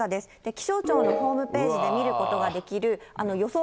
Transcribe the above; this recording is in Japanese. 気象庁のホームページで見ることができる予想